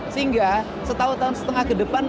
sehingga setahun tahun setengah ke depan